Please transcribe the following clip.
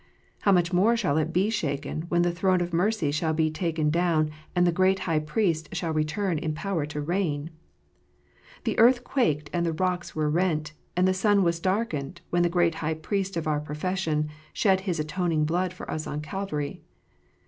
How much more shall it be shaken when the throne of mercy shall be taken down, and the great High Priest shall return in power to reign ! The earth quaked, and the rocks were rent, and the sun was darkened, when the great High Priest of our profession shed His atoning blood for us on Calvary.